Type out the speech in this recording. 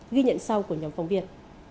ghi nhận sau của nhóm phóng viên